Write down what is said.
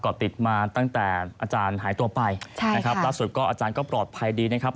ก็ติดมาตั้งแต่อาจารย์หายตัวไปใช่นะครับล่าสุดก็อาจารย์ก็ปลอดภัยดีนะครับ